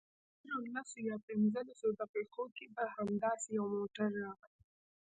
هرو لسو یا پنځلسو دقیقو کې به همداسې یو موټر راغی.